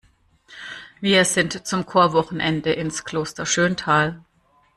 Wir sind zum Chorwochenende ins Kloster Schöntal.